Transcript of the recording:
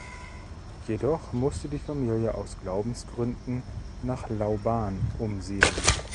Jedoch musste die Familie aus Glaubensgründen nach Lauban umsiedeln.